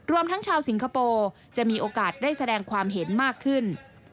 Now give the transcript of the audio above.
ทั้งชาวสิงคโปร์จะมีโอกาสได้แสดงความเห็นมากขึ้น